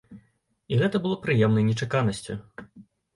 І гэта было прыемнай нечаканасцю.